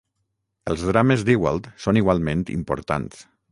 Els "drames" d'Ewald són igualment importants.